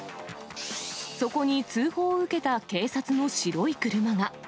そこに通報を受けた警察の白い車が。